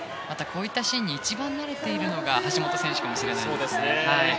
こういったシーンに一番慣れているのが橋本選手かもしれないですね。